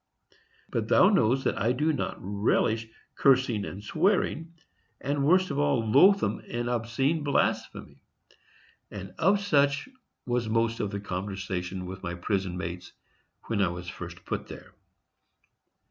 But thou knows that I do not relish cursing and swearing, and worst of all loathsome and obscene blasphemy; and of such was most of the conversation of my prison mates when I was first put in here.